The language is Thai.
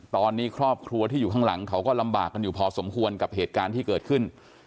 ตอนนี้ครอบครัวที่อยู่ข้างหลังเขาก็ลำบากกันอยู่พอสมควรกับเหตุการณ์ที่เกิดขึ้น